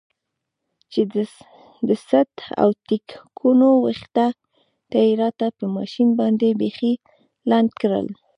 چې د څټ او ټېکونو ويښته يې راته په ماشين باندې بيخي لنډ کړل.